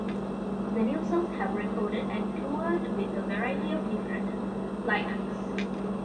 The New South have recorded and toured with a variety of different lineups.